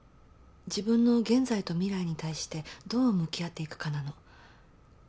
自分の現在と未来に対してどう向き合っていくかなの。